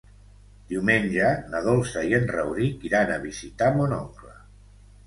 Diumenge na Dolça i en Rauric iran a visitar mon oncle.